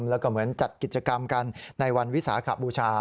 แล้วก็เหมือนจัดกิจกรรมกันในวันวิสาขบูชา